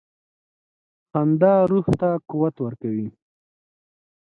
• خندا روح ته قوت ورکوي.